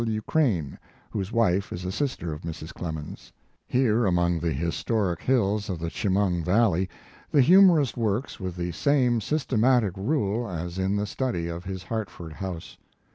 W. Crane, whose wife is a sister of Mrs. Clemens. Here among the historic hills of the Chemung valley, the humorist works with the same sys tematic rule as in the study of his Hart ford house.